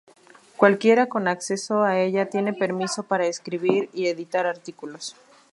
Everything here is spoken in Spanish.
Cualquiera con acceso a ella tiene permiso para escribir y editar artículos.